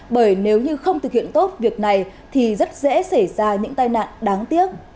bởi nếu như không thực hiện tốt việc này thì rất dễ xảy ra những tai nạn đáng tiếc